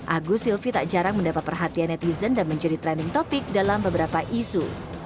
agus silvi tak jarang mendapat perhatian netizen dan menjadi trending topic dalam beberapa isu